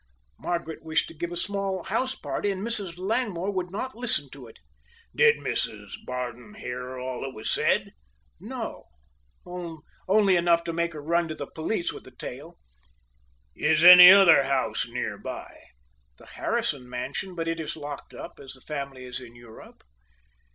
Margaret wished to give a small house party and Mrs. Langmore would not listen to it." "Did Mrs. Bardon hear all that was said?" "No, only enough to make her run to the police with the tale." "Is any other house near by?" "The Harrison mansion, but it is locked up, as the family is in Europe."